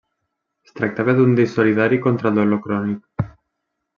Es tractava d'un disc solidari contra el dolor crònic.